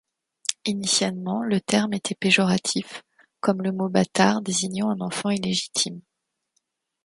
Initialement le terme était péjoratif, comme le mot bâtard désignant un enfant illégitime.